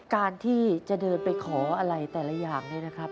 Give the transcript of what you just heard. การที่จะเดินไปขออะไรแต่ละอย่างเนี่ยนะครับ